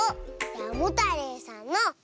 モタレイさんの「モ」！